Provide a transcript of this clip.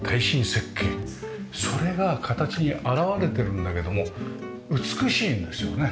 それが形に表れてるんだけども美しいですよね。